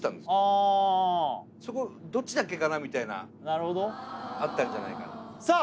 ああそこどっちだっけかなみたいななるほどあったんじゃないかさあ